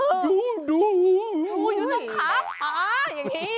อ่าอย่างนี้